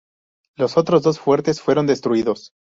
Los otros dos fuertes fueron destruidos.